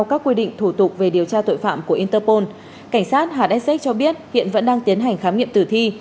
cảnh sát hat sx cho biết hiện vẫn đang tiến hành khám nghiệm tử thi